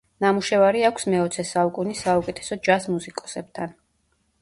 ნამუშევარი აქვს მეოცე საუკუნის საუკეთესო ჯაზ მუსიკოსებთან.